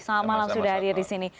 selamat malam sudah hadir di sini